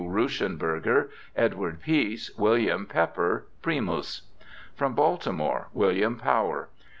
Ruschenberger, Edward Peace, William Pepper (primus). From Baltimore : William Power.